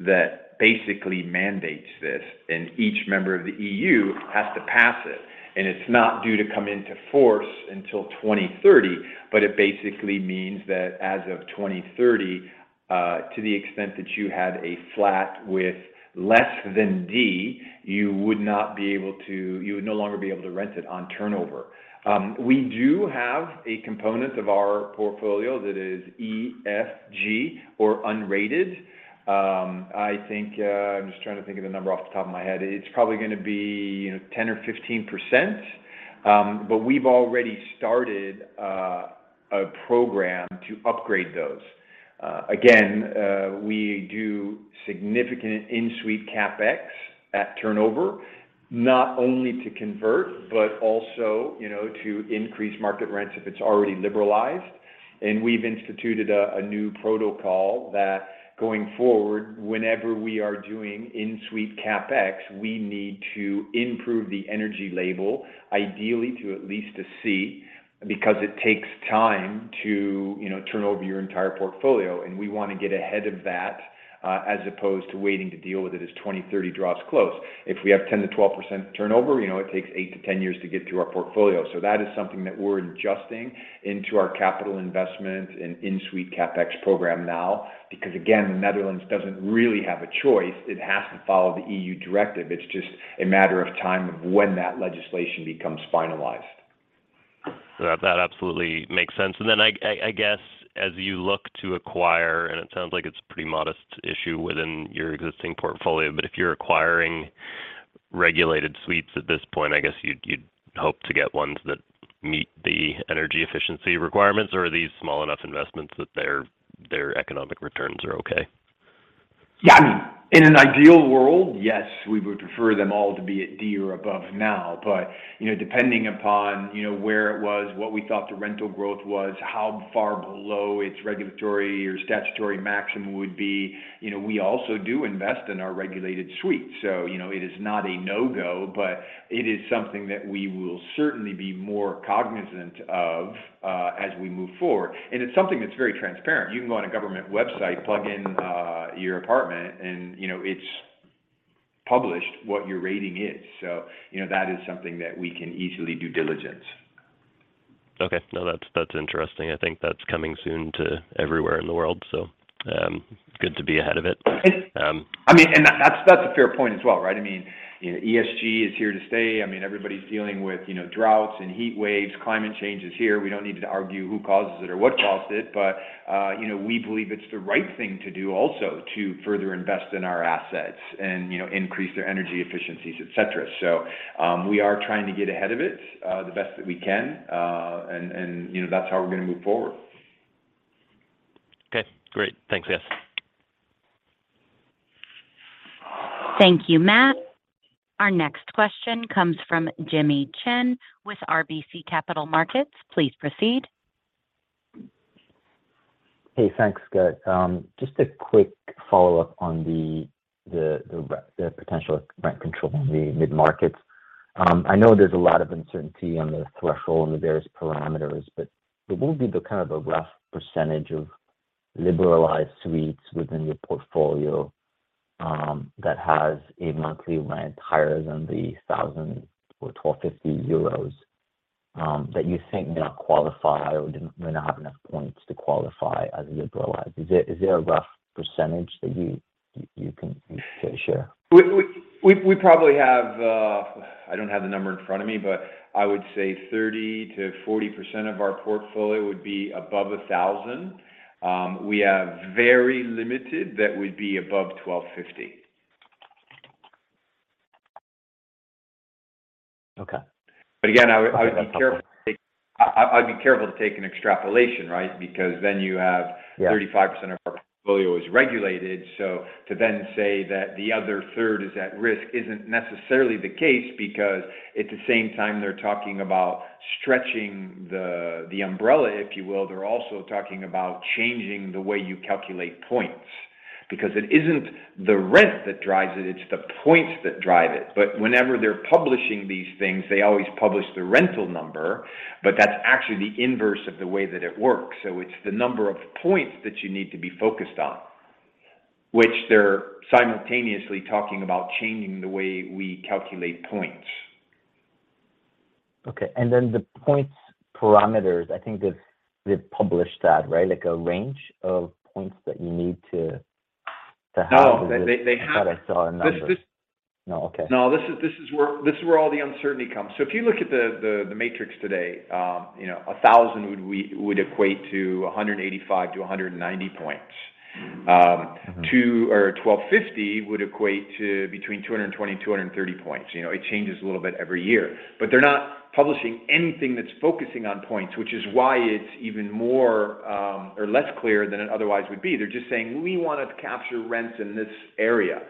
S2: that basically mandates this, and each member of the EU has to pass it. It's not due to come into force until 2030, but it basically means that as of 2030, to the extent that you had a flat with less than D, you would no longer be able to rent it on turnover. We do have a component of our portfolio that is E, F, G or unrated. I think I'm just trying to think of the number off the top of my head. It's probably gonna be, you know, 10% or 15%, but we've already started a program to upgrade those. Again, we do significant in-suite CapEx at turnover, not only to convert, but also, you know, to increase market rents if it's already liberalized. We've instituted a new protocol that going forward, whenever we are doing in-suite CapEx, we need to improve the energy label, ideally to at least a C, because it takes time to, you know, turn over your entire portfolio, and we want to get ahead of that, as opposed to waiting to deal with it as 2030 draws close. If we have 10%-12% turnover, you know it takes eight to 10 years to get through our portfolio. That is something that we're adjusting into our capital investment and in-suite CapEx program now. Again, the Netherlands doesn't really have a choice. It has to follow the EU directive. It's just a matter of time of when that legislation becomes finalized.
S8: That absolutely makes sense. I guess as you look to acquire, and it sounds like it's pretty modest issue within your existing portfolio, but if you're acquiring regulated suites at this point, I guess you'd hope to get ones that meet the energy efficiency requirements? Are these small enough investments that their economic returns are okay?
S2: Yeah. I mean, in an ideal world, yes, we would prefer them all to be at D or above now. But, you know, depending upon, you know, where it was, what we thought the rental growth was, how far below its regulatory or statutory maximum would be. You know, we also do invest in our regulated suite, so you know, it is not a no-go, but it is something that we will certainly be more cognizant of, as we move forward. It's something that's very transparent. You can go on a government website, plug in, your apartment and, you know, it's published what your rating is. So, you know, that is something that we can easily due diligence.
S8: Okay. No, that's interesting. I think that's coming soon to everywhere in the world, so good to be ahead of it.
S2: I mean, that's a fair point as well, right? I mean, you know, ESG is here to stay. I mean, everybody's dealing with, you know, droughts and heat waves. Climate change is here. We don't need to argue who causes it or what caused it, but you know, we believe it's the right thing to do also to further invest in our assets and, you know, increase their energy efficiencies, et cetera. We are trying to get ahead of it, the best that we can. You know, that's how we're gonna move forward.
S8: Okay, great. Thanks, guys.
S1: Thank you, Matt. Our next question comes from Jimmy Shan with RBC Capital Markets. Please proceed.
S9: Hey, thanks. Good. Just a quick follow-up on the potential rent control in the mid-market. I know there's a lot of uncertainty on the threshold and the various parameters, but what would be the kind of a rough percentage of liberalized suites within your portfolio that has a monthly rent higher than 1,000 or 1,250 euros that you think may not qualify or may not have enough points to qualify as liberalized? Is there a rough percentage that you can share?
S2: We probably have. I don't have the number in front of me, but I would say 30%-40% of our portfolio would be above 1,000. We have very limited that would be above 1,250.
S9: Okay.
S2: Again, I would be careful.
S9: That's helpful.
S2: I'd be careful to take an extrapolation, right? Because then you have
S9: Yeah
S2: 35% of our portfolio is regulated. To then say that the other third is at risk isn't necessarily the case, because at the same time they're talking about stretching the umbrella, if you will. They're also talking about changing the way you calculate points, because it isn't the rent that drives it's the points that drive it. Whenever they're publishing these things, they always publish the rental number, but that's actually the inverse of the way that it works. It's the number of points that you need to be focused on, which they're simultaneously talking about changing the way we calculate points.
S9: Okay. The points parameters, I think they've published that, right? Like a range of points that you need to have-
S2: No, they have.
S9: I thought I saw a number. No, okay.
S2: No, this is where all the uncertainty comes. If you look at the matrix today, you know, 1,000 would equate to 185-190 points.
S9: Mm-hmm. Mm-hmm
S2: Two or 1,250 would equate to between 220 and 230 points. You know, it changes a little bit every year. They're not publishing anything that's focusing on points, which is why it's even more or less clear than it otherwise would be. They're just saying, "We wanna capture rents in this area."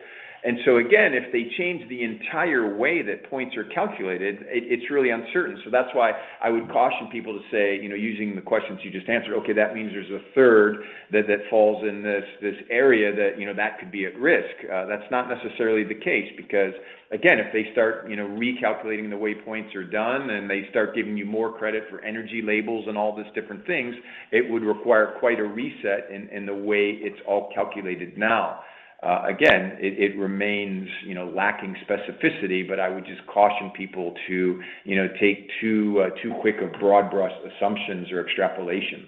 S2: Again, if they change the entire way that points are calculated, it's really uncertain. That's why I would caution people to say, you know, using the questions you just answered, okay, that means there's a third that falls in this area that, you know, that could be at risk. That's not necessarily the case because, again, if they start, you know, recalculating the way points are done and they start giving you more credit for energy labels and all these different things, it would require quite a reset in the way it's all calculated now. Again, it remains, you know, lacking specificity, but I would just caution people to, you know, take too quick of broad brush assumptions or extrapolations.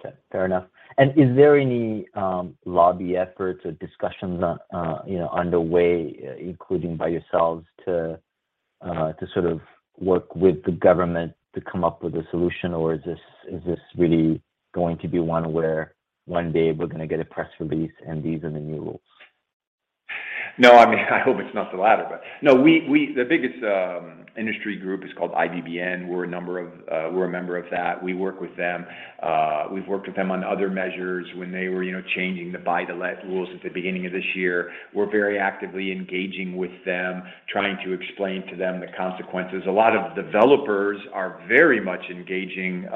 S9: Okay. Fair enough. Is there any lobby efforts or discussions, you know, underway including by yourselves to sort of work with the government to come up with a solution? Or is this really going to be one where one day we're gonna get a press release and these are the new rules?
S2: No, I mean, I hope it's not the latter, but. No, the biggest industry group is called IVBN. We're a member of that. We work with them. We've worked with them on other measures when they were, you know, changing the buy-to-let rules at the beginning of this year. We're very actively engaging with them, trying to explain to them the consequences. A lot of developers are very much engaging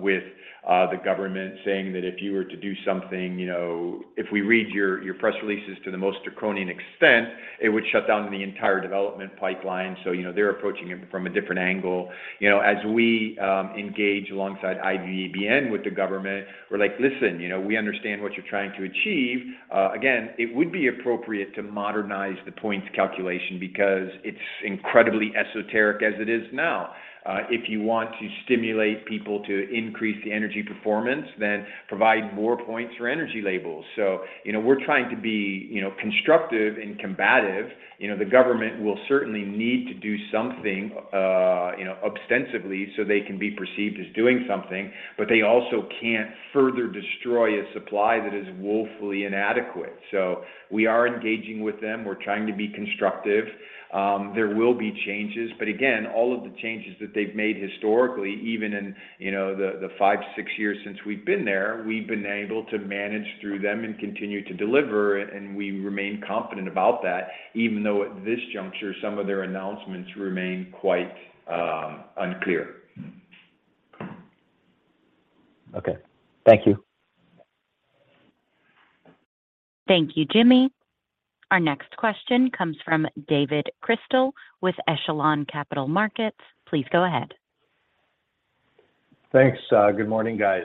S2: with the government, saying that if you were to do something, you know, if we read your press releases to the most draconian extent, it would shut down the entire development pipeline. You know, they're approaching it from a different angle. You know, as we engage alongside IVBN with the government, we're like, "Listen, you know, we understand what you're trying to achieve." Again, it would be appropriate to modernize the points calculation because it's incredibly esoteric as it is now. If you want to stimulate people to increase the energy performance, then provide more points for energy labels. You know, we're trying to be, you know, constructive and combative. You know, the government will certainly need to do something, ostensibly, so they can be perceived as doing something, but they also can't further destroy a supply that is woefully inadequate. We are engaging with them. We're trying to be constructive. There will be changes. Again, all of the changes that they've made historically, even in, you know, the five, six years since we've been there, we've been able to manage through them and continue to deliver, and we remain confident about that, even though at this juncture, some of their announcements remain quite unclear.
S9: Okay. Thank you.
S1: Thank you, Jimmy. Our next question comes from David Chrystal with Echelon Capital Markets. Please go ahead.
S10: Thanks. Good morning, guys.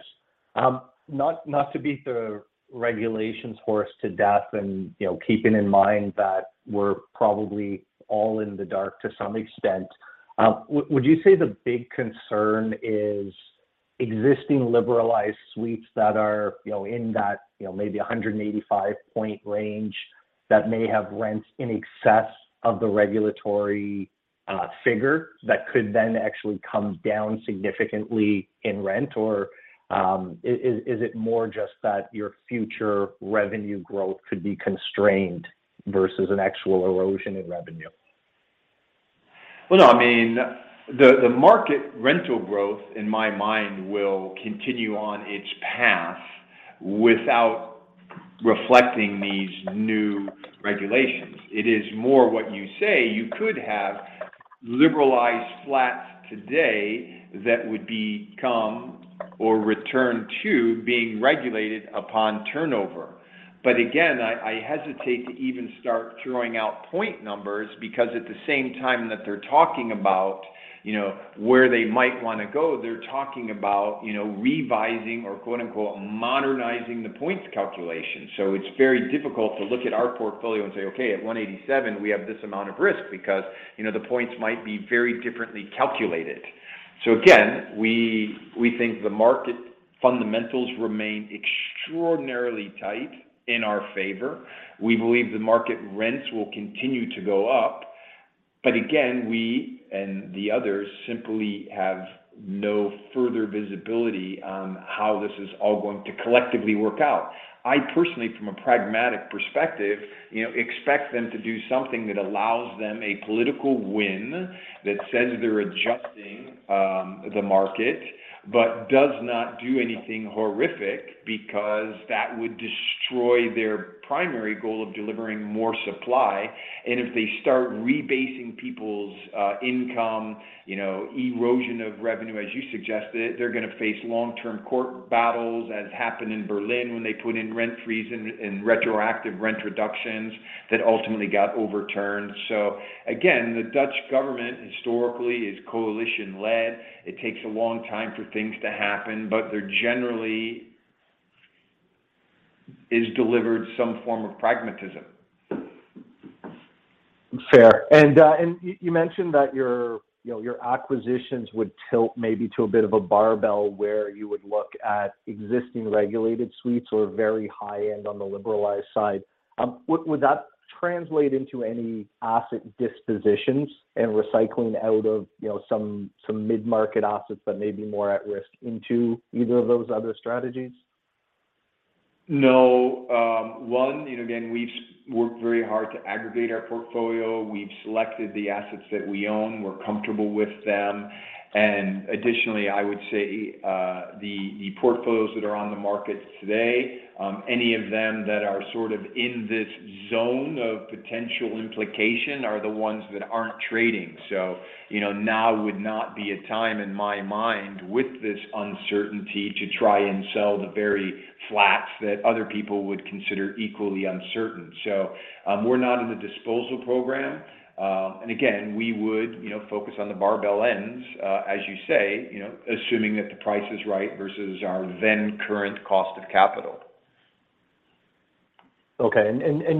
S10: Not to beat the regulations horse to death and, you know, keeping in mind that we're probably all in the dark to some extent, would you say the big concern is existing liberalized suites that are, you know, in that, you know, maybe a 185-point range that may have rents in excess of the regulatory figure that could then actually come down significantly in rent? Or, is it more just that your future revenue growth could be constrained versus an actual erosion in revenue?
S2: Well, no, I mean, the market rental growth, in my mind, will continue on its path without reflecting these new regulations. It is more what you say. You could have liberalized flats today that would become or return to being regulated upon turnover. Again, I hesitate to even start throwing out point numbers because at the same time that they're talking about, you know, where they might wanna go, they're talking about, you know, revising or quote-unquote, "modernizing" the points calculation. It's very difficult to look at our portfolio and say, "Okay, at 187, we have this amount of risk," because, you know, the points might be very differently calculated. Again, we think the market fundamentals remain extraordinarily tight in our favor. We believe the market rents will continue to go up. Again, we and the others simply have no further visibility on how this is all going to collectively work out. I personally, from a pragmatic perspective, you know, expect them to do something that allows them a political win that says they're adjusting the market, but does not do anything horrific because that would destroy their primary goal of delivering more supply. If they start rebasing people's income, you know, erosion of revenue, as you suggested, they're gonna face long-term court battles as happened in Berlin when they put in rent freeze and retroactive rent reductions that ultimately got overturned. Again, the Dutch government historically is coalition-led. It takes a long time for things to happen, but there generally is delivered some form of pragmatism.
S10: Fair. You mentioned that your, you know, your acquisitions would tilt maybe to a bit of a barbell where you would look at existing regulated suites or very high-end on the liberalized side. Would that translate into any asset dispositions and recycling out of, you know, some mid-market assets that may be more at risk into either of those other strategies?
S2: No. One, you know, again, we've worked very hard to aggregate our portfolio. We've selected the assets that we own. We're comfortable with them. Additionally, I would say, the portfolios that are on the market today, any of them that are sort of in this zone of potential implication are the ones that aren't trading. You know, now would not be a time in my mind with this uncertainty to try and sell the very flats that other people would consider equally uncertain. We're not in the disposal program. Again, we would, you know, focus on the barbell ends, as you say, you know, assuming that the price is right versus our then current cost of capital.
S10: Okay.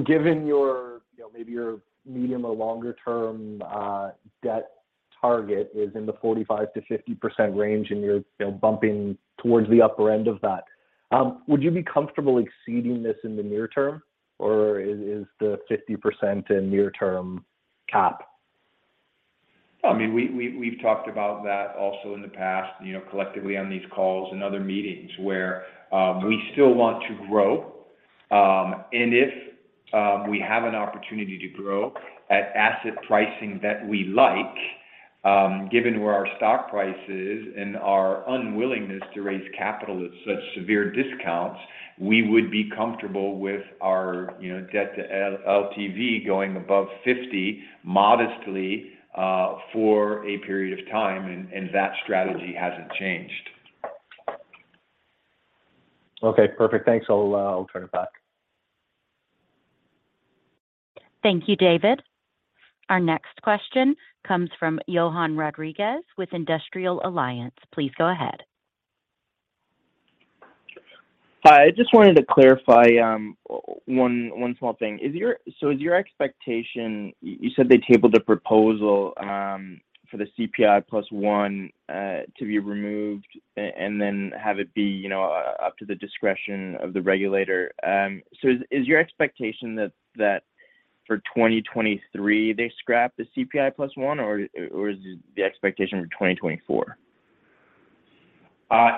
S10: Given your, you know, maybe your medium or longer term debt target is in the 45%-50% range and you're, you know, bumping towards the upper end of that, would you be comfortable exceeding this in the near term, or is the 50% a near term cap?
S2: I mean, we've talked about that also in the past, you know, collectively on these calls and other meetings where we still want to grow. If we have an opportunity to grow at asset pricing that we like, given where our stock price is and our unwillingness to raise capital at such severe discounts, we would be comfortable with our, you know, debt to LTV going above 50 modestly, for a period of time and that strategy hasn't changed.
S10: Okay, perfect. Thanks. I'll turn it back.
S1: Thank you, David. Our next question comes from [Johan Rodriguez] with Industrial Alliance. Please go ahead.
S11: Hi, I just wanted to clarify, one small thing. Is your expectation you said they tabled a proposal for the CPI +1 to be removed and then have it be, you know, up to the discretion of the regulator. Is your expectation that for 2023 they scrap the CPI +1, or is it the expectation for 2024?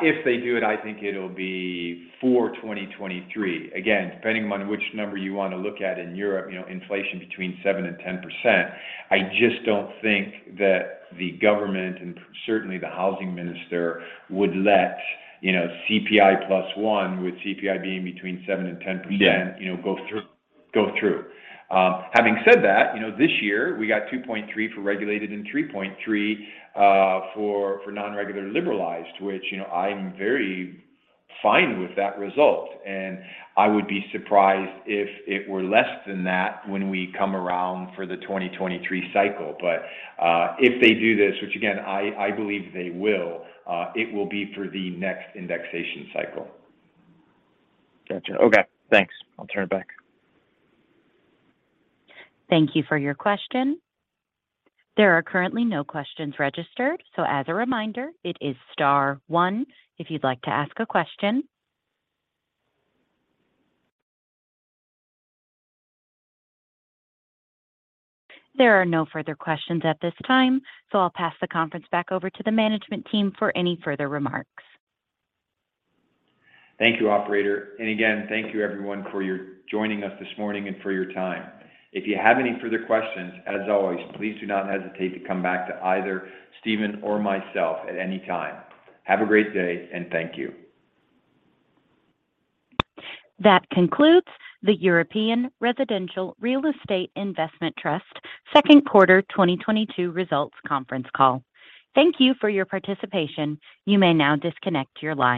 S2: If they do it, I think it'll be for 2023. Again, depending on which number you wanna look at in Europe, you know, inflation between 7% and 10%. I just don't think that the government, and certainly the housing minister, would let, you know, CPI +1 with CPI being between 7% and 10%.
S11: Yeah
S2: You know, go through. Having said that, you know, this year we got 2.3% for regulated and 3.3% for non-regulated liberalized, which, you know, I'm very fine with that result, and I would be surprised if it were less than that when we come around for the 2023 cycle. If they do this, which again, I believe they will, it will be for the next indexation cycle.
S11: Gotcha. Okay, thanks. I'll turn it back.
S1: Thank you for your question. There are currently no questions registered, so as a reminder, it is star one if you'd like to ask a question. There are no further questions at this time, so I'll pass the conference back over to the management team for any further remarks.
S2: Thank you, operator, and again, thank you everyone for your joining us this morning and for your time. If you have any further questions, as always, please do not hesitate to come back to either Stephen or myself at any time. Have a great day, and thank you.
S1: That concludes the European Residential Real Estate Investment Trust second quarter 2022 results conference call. Thank you for your participation. You may now disconnect your line.